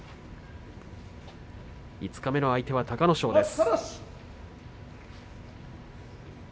五日目の相手は隆の勝です。